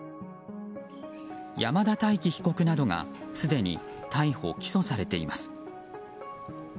山田大紀被告などがすでに逮捕・起訴されています。